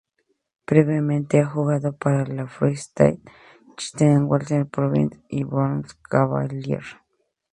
Previamente ha jugado para los Free State Cheetahs, Western Province y los Boland Cavaliers.